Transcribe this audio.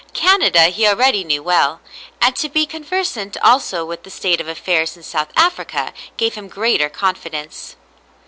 Canada he already knew well, and to be conversant also with the state of affairs in South Africa gave him greater confidence.